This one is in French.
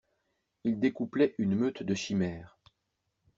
Il découplait une meute de chimères.